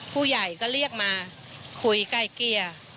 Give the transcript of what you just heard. ผู้ใหญ่ก็เรียกมาคุยใกล้เกียร์